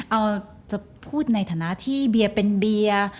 เอาจะพูดในฐานะที่เบียร์เป็นเบียร์